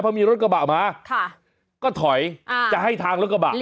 พอมีรถกระบะมาก็ถอยจะให้ทางรถกระบะ